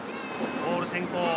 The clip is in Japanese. ボール先行。